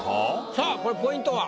さあこれポイントは？